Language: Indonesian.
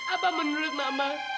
apa menurut mama